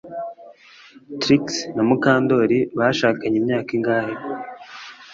Trix na Mukandoli bashakanye imyaka ingahe